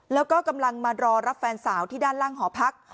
แล้วก็กำลังมารอรับแฟนสาวที่ด้านล่างหอพัก